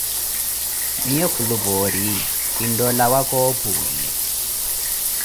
Miyo kilupoori iii, kintoolawa koopuwele.